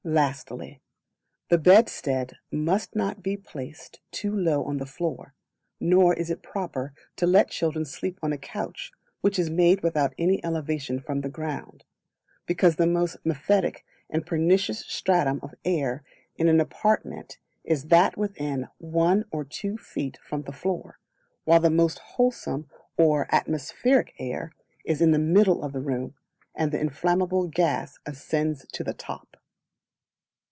Lastly, the Bedstead must not be placed too low on the floor; nor is it proper to let children sleep on a couch which is made without any elevation from the ground; because the most mephitic and pernicious stratum of air in an apartment is that within one or two feet from the floor, while the most wholesome, or atmospheric air, is in the middle of the room, and the inflammable gas ascends to the top.